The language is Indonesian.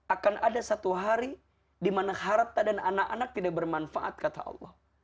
akan ada satu hari di mana harta dan anak anak tidak bermanfaat kata allah